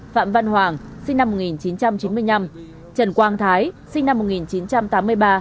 phạm văn hoàng sinh năm một nghìn chín trăm chín mươi năm trần quang thái sinh năm một nghìn chín trăm tám mươi ba